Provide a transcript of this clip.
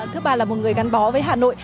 thưa bà là một người gắn bó với hà nội